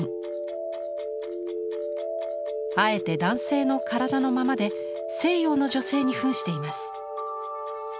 あえて男性の体のままで西洋の女性にふんしています。